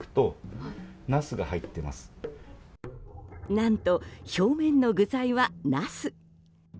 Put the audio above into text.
何と、表面の具材はナス。